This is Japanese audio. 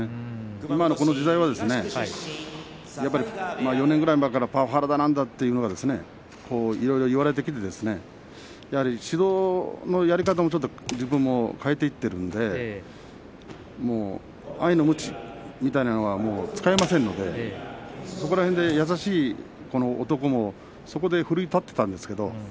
今の時代はやはり４年前ぐらいからパワハラとか何とかいろいろ言われてきて指導のやり方も自分も変えていっているので愛のむちみたいなものは使えませんのでそこら辺で優しい男も奮い立っていたんですけどね